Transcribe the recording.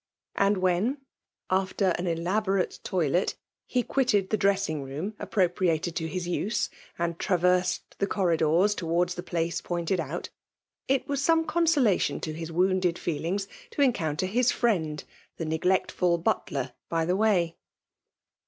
And when, after an elaborate toilet, he quitted ibe dress ing room appropriated to Ins use, and tiavBned the corridors towards the place pointed out, it moB some consolation to his wounded feelings to encounter his fiiend, the neigleotful butki:, by the way.